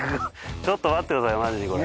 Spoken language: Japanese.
ちょっと待ってくださいよマジでこれ。